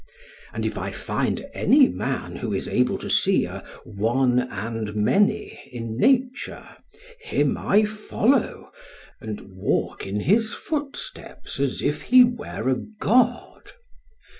And if I find any man who is able to see 'a One and Many' in nature, him I follow, and 'walk in his footsteps as if he were a god.'